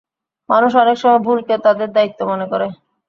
মানুষ অনেক সময় ভুলকে তাদের দায়িত্ব মনে করে।